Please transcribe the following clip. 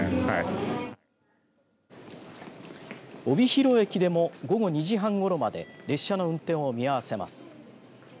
帯広駅でも午後２時半ごろまで列車の運転を見合わせます。